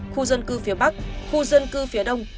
khu dân cư phía bắc khu dân cư phía đông